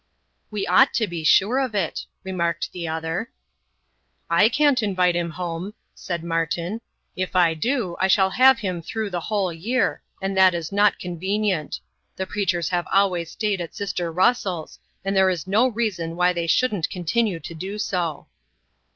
"We ought to be sure of it," remarked the other. "I can't invite him home," said Martin. "If I do, I shall have him through the whole year, and that is not convenient. The preachers have always stayed at sister Russell's, and there is no reason why they shouldn't continue to do so."